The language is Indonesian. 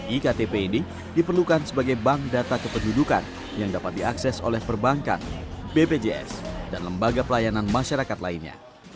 iktp ini diperlukan sebagai bank data kependudukan yang dapat diakses oleh perbankan bpjs dan lembaga pelayanan masyarakat lainnya